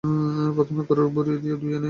প্রথমে গরুর ভুড়ি ভালো করে ধুয়ে নিন।